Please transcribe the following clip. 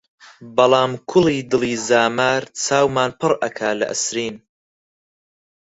بەڵام کوڵی دڵی زامار، چاومان پڕ ئەکا لە ئەسرین!